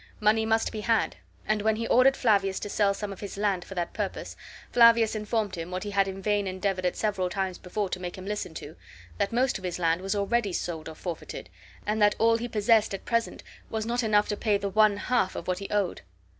Money must be had; and when he ordered Flavius to sell some of his land for that purpose, Flavius informed him, what he had in vain endeavored at several times before to make him listen to, that most of his land was already sold or forfeited, and that all he possessed at present was not enough to pay the one half of what he owed.